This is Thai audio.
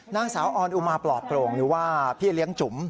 นางสาวออนอุมาปลอดโปร่งหรือว่าพี่เลี้ยงจุ๋ม